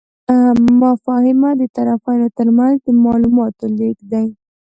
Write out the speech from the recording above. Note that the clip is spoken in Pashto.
مفاهمه د طرفینو ترمنځ د معلوماتو لیږد دی.